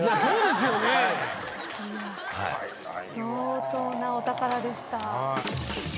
相当なお宝でした。